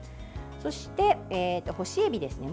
そして干しエビですね。